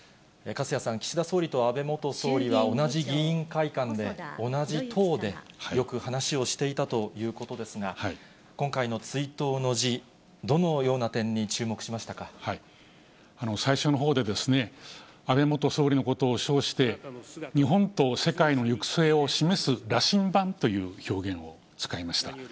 粕谷さん、岸田総理と安倍元総理は同じ議員会館で、同じ党で、よく話をしていたということですが、今回の追悼の辞、どのような点に注目しま最初のほうで、安倍元総理のことを称して、日本と世界の行く末を示す羅針盤という表現を使いました。